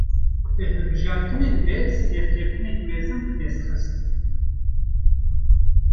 Di hilbijartinan de serkeftinek mezin bi dest xist